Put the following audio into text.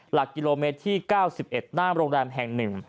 หลักกิโลเมตรที่๙๑หน้าโรงแรมแห่ง๑